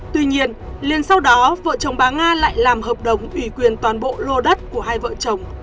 tuy nhiên liền sau đó vợ chồng bà nga lại làm hợp đồng ủy quyền toàn bộ lô đất của hai vợ chồng